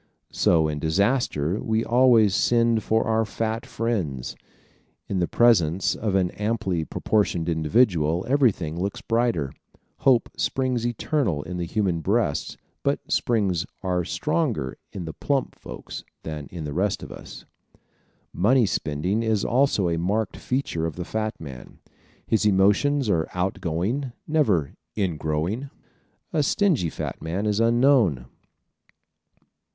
So in disaster we always send for our fat friends. In the presence of an amply proportioned individual everything looks brighter. Hope springs eternal in human breasts but the springs are stronger in the plump folks than in the rest of us. Money spending is also a marked feature of the fat man. His emotions are out going, never "in growing." A stingy fat man is unknown.